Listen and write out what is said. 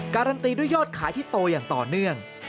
การันตีด้วยยอดขายที่โตอย่างต่อเนื่อง